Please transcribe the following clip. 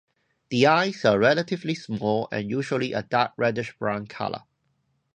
The eyes are relatively small and usually a dark reddish-brown color.